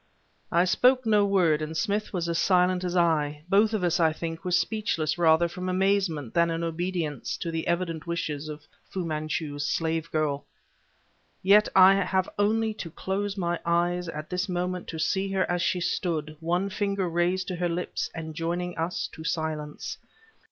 I spoke no word, and Smith was as silent as I; both of us, I think, were speechless rather from amazement than in obedience to the evident wishes of Fu Manchu's slave girl. Yet I have only to close my eyes at this moment to see her as she stood, one finger raised to her lips, enjoining us to silence.